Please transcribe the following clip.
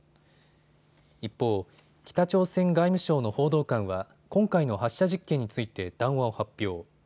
一方、北朝鮮外務省の報道官は今回の発射実験について談話を発表。